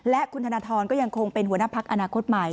และคุณธนทรก็ยังคงเป็นหัวหน้าพักอนาคตใหม่